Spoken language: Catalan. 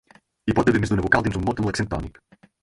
Hi pot haver més d'una vocal dins un mot amb l'accent tònic.